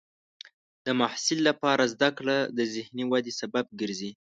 د محصل لپاره زده کړه د ذهني ودې سبب ګرځي.